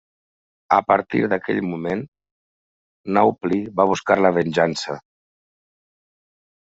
A partir d'aquell moment, Naupli va buscar la venjança.